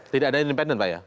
tidak ada independen pak ya